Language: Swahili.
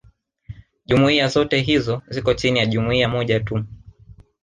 jumuiya zote hizo ziko chini ya jumuiya moja tu